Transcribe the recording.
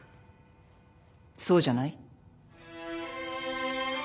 そうじゃない？